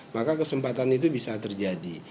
maka kesempatan itu bisa terjadi